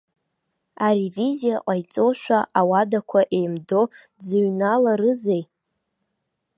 Аревизиа ҟаиҵошәа, ауадақәа еимдо дзыҩналарызеи?